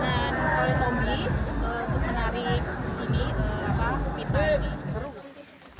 kawet zombie untuk menarik ini apa pita zombie